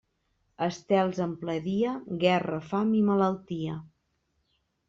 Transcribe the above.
Estels en ple dia, guerra, fam i malaltia.